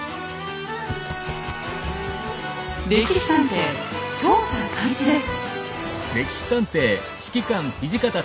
「歴史探偵」調査開始です。